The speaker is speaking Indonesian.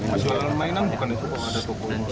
masuk dalam mainan bukan itu pak